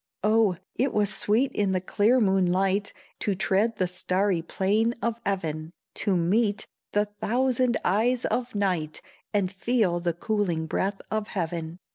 O! it was sweet in the clear moonlight, To tread the starry plain of even, To meet the thousand eyes of night, And feel the cooling breath of heaven!